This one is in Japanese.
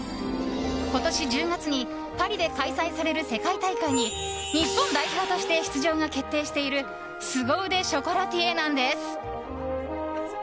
今年１月でパリで開催される世界大会で日本代表として出場が決定しているスゴ腕ショコラティエなんです。